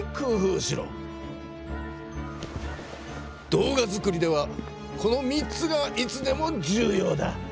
動画作りではこの３つがいつでも重ようだ。